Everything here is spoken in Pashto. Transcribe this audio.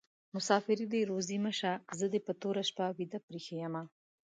مسافري دي روزي مشه: زه دي په توره شپه ويده پریښي يمه